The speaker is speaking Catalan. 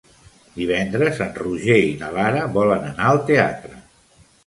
Divendres en Roger i na Lara volen anar al teatre.